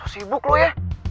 sibuk lu ya